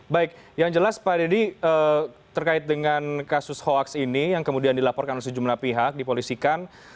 baik yang jelas pak deddy terkait dengan kasus hoax ini yang kemudian dilaporkan sejumlah pihak dipolisikan